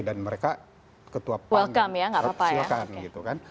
dan mereka ketua pan